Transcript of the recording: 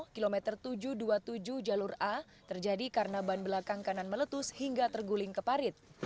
kilometer tujuh ratus dua puluh tujuh jalur a terjadi karena ban belakang kanan meletus hingga terguling ke parit